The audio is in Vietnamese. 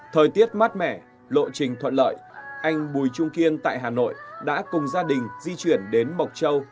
thời tiết mát mẻ lộ trình thuận lợi anh bùi trung kiên tại hà nội đã cùng gia đình di chuyển đến mộc châu